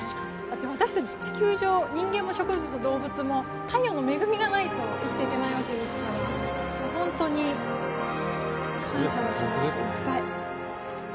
私たち地球上、人間も植物も動物も太陽の恵みがないと生きていけないわけですから本当に感謝の気持ちでいっぱい。